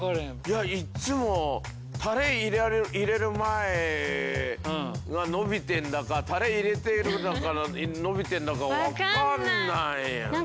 いやいっつもタレ入れる前が伸びてんだかタレ入れて伸びてんだか分かんない。